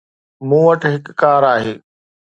مون وٽ هڪ ڪار آهي.